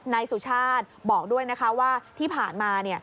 นายสุชาติบอกด้วยนะคะว่าที่ผ่านมา